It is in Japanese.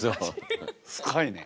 深いね。